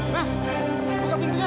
mas buka pintunya